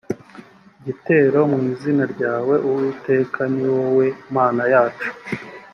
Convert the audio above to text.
gitero mu izina ryawe uwiteka ni wowe mana yacu